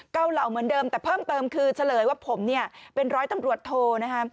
เหล่าเหมือนเดิมแต่เพิ่มเติมคือเฉลยว่าผมเนี่ยเป็นร้อยตำรวจโทนะครับ